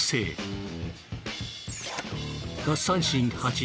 奪三振８。